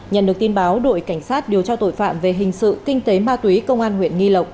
nhận được tin báo đội cảnh sát điều tra tội phạm về hình sự kinh tế ma túy công an huyện nghi lộc